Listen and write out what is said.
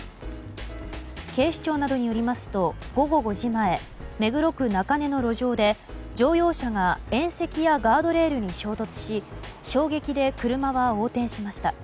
警視庁などによりますと午後５時前目黒区中根の路上で乗用車が縁石やガードレールに衝突し衝撃で車は横転しました。